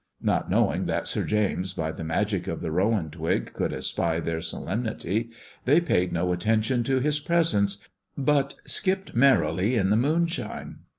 Not knowing that Sir James by the magic of the rowan twig could espy their solemnity, they paid no atten tion to his presence, but skipped merrily in the moonshine.